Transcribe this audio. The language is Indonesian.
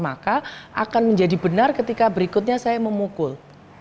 maka akan menjadi benar ketika berikutnya saya memukul